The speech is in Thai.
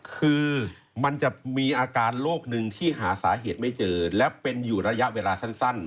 คือมันจะมีอาการโรคนึงที่หาสาเหตุไม่เจอและเป็นอยู่ระยะเวลาสั้น